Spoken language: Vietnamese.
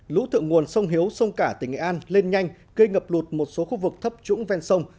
lũ thượng nguồn sông hiếu sông cả tỉnh nghệ an lên nhanh gây ngập lụt một số khu vực thấp trũng ven sông